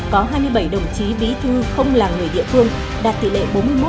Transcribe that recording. có hai mươi bảy đồng chí bí thư không là người địa phương đạt tỷ lệ bốn mươi một năm mươi bốn